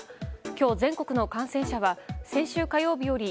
今日、全国の感染者は先週火曜日より